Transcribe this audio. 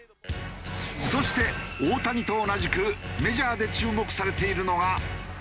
そして大谷と同じくメジャーで注目されているのが。